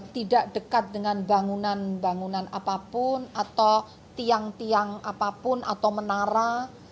tidak dekat dengan bangunan bangunan apapun atau tiang tiang apapun atau menara